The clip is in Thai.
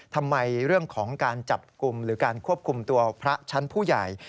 เรื่องของการจับกลุ่มหรือการควบคุมตัวพระชั้นผู้ใหญ่